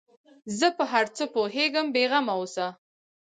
زه په هر څه پوهېږم بې غمه اوسه.